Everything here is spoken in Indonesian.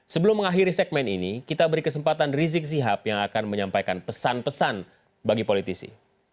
sebelum mengakhiri segmen ini kita beri kesempatan rizik sihab yang akan menyampaikan pesan pesan bagi politisi